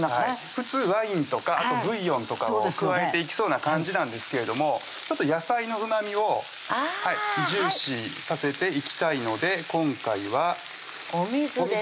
普通ワインとかブイヨンとかを加えていきそうな感じなんですがちょっと野菜のうまみを重視させていきたいので今回はお水です